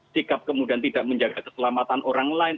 sikap kemudian tidak menjaga keselamatan orang lain